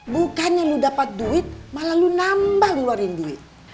bukannya lu dapat duit malah lu nambah ngeluarin duit